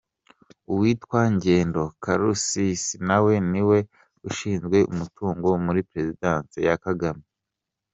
Uwitwa Ngendo Karusisi nawe niwe ushinzwe umutungo muri Presidence ya Kagame.